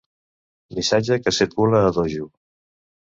Missatge que circula a dojo.